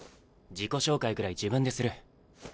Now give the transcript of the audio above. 自己紹介ぐらい自分でする。